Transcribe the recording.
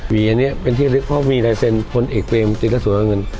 วีเป็นของวีรายเซ็นต์พลเอกเพลมติดและสูระเงิน